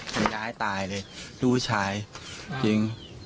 สัญญาให้ตายเลยดูผู้ชายจริง